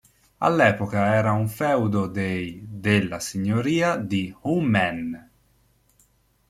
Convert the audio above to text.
All'epoca era un feudo dei della Signoria di Humenné.